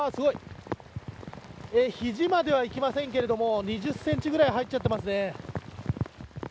肘まではいきませんが２０センチぐらい入っちゃってますね。